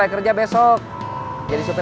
biar kamu bisa berpikir